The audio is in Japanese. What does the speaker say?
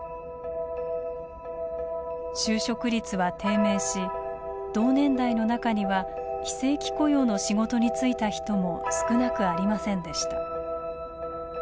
就職率は低迷し同年代の中には非正規雇用の仕事に就いた人も少なくありませんでした。